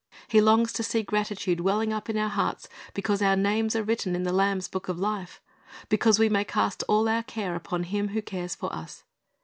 He longs to see gratitude welling up in our hearts because our names are written in the Lamb's book of life, because we may cast all our care upon Him who cares for us.